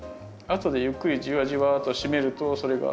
後でゆっくりじわじわとしめるとそれが。